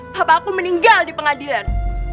bapak aku meninggal di pengadilan